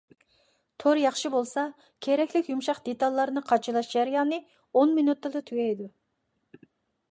تور ياخشى بولسا كېرەكلىك يۇمشاق دېتاللارنى قاچىلاش جەريانى ئون مىنۇتتىلا تۈگەيدۇ.